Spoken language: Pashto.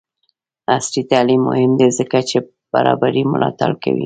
عصري تعلیم مهم دی ځکه چې برابري ملاتړ کوي.